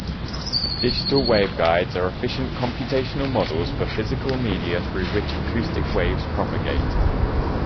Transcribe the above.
Digital waveguides are efficient computational models for physical media through which acoustic waves propagate.